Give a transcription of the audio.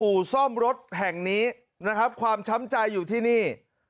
อู่ซ่อมรถแห่งนี้นะครับความช้ำใจอยู่ที่นี่